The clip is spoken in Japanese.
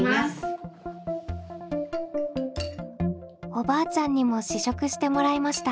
おばあちゃんにも試食してもらいました。